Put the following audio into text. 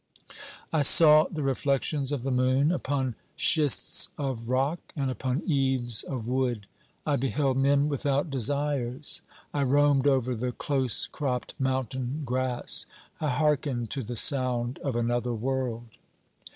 I saw the reflections of the moon upon schists of rock and upon eaves of wood ; I beheld men without desires ; I roamed over the close cropped mountain grass; I hearkened to the sound of another world.